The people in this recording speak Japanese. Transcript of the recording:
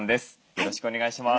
よろしくお願いします。